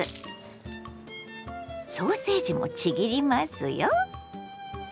ソーセージもちぎりますよ。